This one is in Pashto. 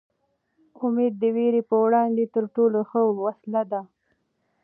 امېد د وېرې په وړاندې تر ټولو ښه وسله ده.